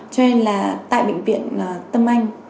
cho nên là tại bệnh viện tâm anh